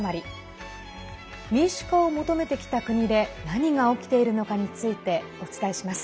民主化を求めてきた国で何が起きているのかについてお伝えします。